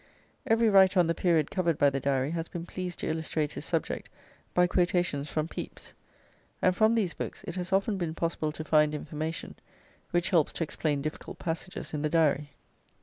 Every writer on the period covered by the Diary has been pleased to illustrate his subject by quotations from Pepys, and from these books it has often been possible to find information which helps to explain difficult passages in the Diary.